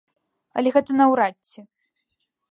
Але гэта наўрад ці!